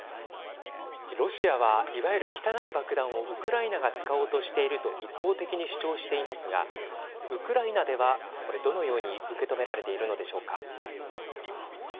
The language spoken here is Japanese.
ロシアは、いわゆる汚い爆弾をウクライナが使おうとしていると一方的に主張していますがウクライナではこれ、どのように受け止められているのはい。